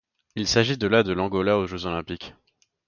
Il s'agit de la de l'Angola aux Jeux olympiques.